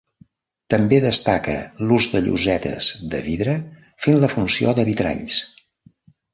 També destaca l'ús de llosetes de vidre fent la funció de vitralls.